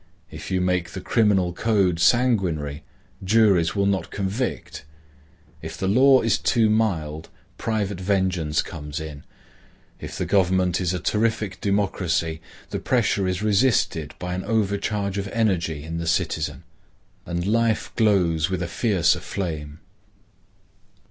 If you make the criminal code sanguinary, juries will not convict. If the law is too mild, private vengeance comes in. If the government is a terrific democracy, the pressure is resisted by an over charge of energy in the citizen, and life glows with a fiercer flame.